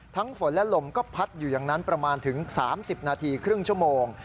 ฝนและลมก็พัดอยู่อย่างนั้นประมาณถึง๓๐นาทีครึ่งชั่วโมง